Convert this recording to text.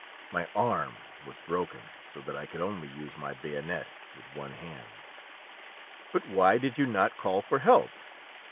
My arm was broken so that I could only use my bayonet with one hand." "But why did you not call for help?"